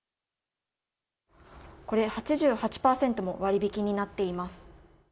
８８％も割引になっています。